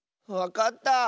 わかった！